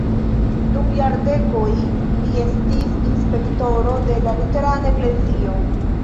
Dum jardekoj li estis inspektoro de la luterana eklezio.